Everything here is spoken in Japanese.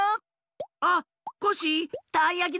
あコッシーたいやきだよ！